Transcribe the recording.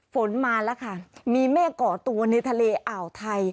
ฝนมาแล้วค่ะมีเมฆก่อตัวในทะเลอ่าวไทย